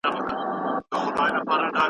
د دین او فرهنګ ترمنځ پیوستون تل موجود دی.